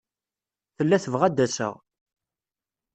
Tella tebɣa ad d-aseɣ.